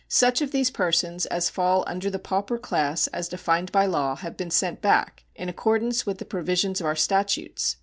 Such of these persons as fall under the pauper class as defined by law have been sent back in accordance with the provisions of our statutes.